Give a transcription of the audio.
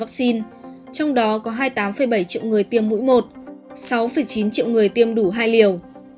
vaccine trong đó có hai mươi tám bảy triệu người tiêm mũi một sáu chín triệu người tiêm đủ hai liều